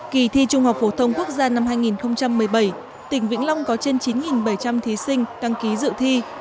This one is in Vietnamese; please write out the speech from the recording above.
kỳ thi trung học phổ thông quốc gia năm hai nghìn một mươi bảy tỉnh vĩnh long có trên chín bảy trăm linh thí sinh đăng ký dự thi